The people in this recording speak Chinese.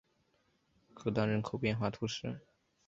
戈当人口变化图示